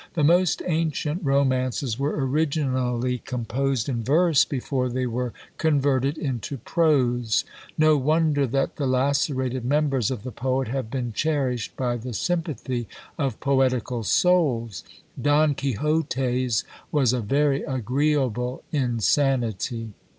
The most ancient romances were originally composed in verse before they were converted into prose: no wonder that the lacerated members of the poet have been cherished by the sympathy of poetical souls. Don Quixote's was a very agreeable insanity.